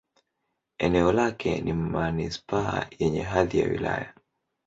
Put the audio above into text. Eneo lake ni manisipaa yenye hadhi ya wilaya.